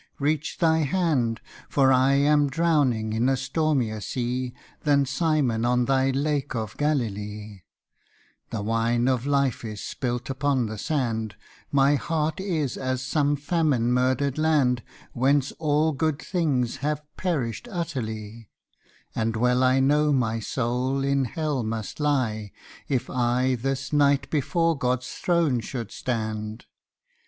reach Thy hand, For I am drowning in a stormier sea Than Simon on Thy lake of Galilee: The wine of life is spilt upon the sand, My heart is as some famine murdered land Whence all good things have perished utterly, And well I know my soul in Hell must lie If I this night before God's throne should stand.